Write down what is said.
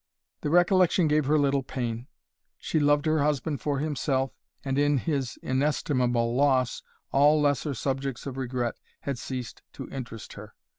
The recollection gave her little pain. She loved her husband for himself, and in his inestimable loss all lesser subjects of regret had ceased to interest her.